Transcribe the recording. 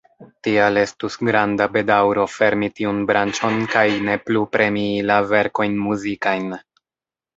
Tial estus granda bedaŭro fermi tiun branĉon kaj ne plu premii la verkojn muzikajn.